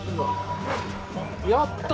やった。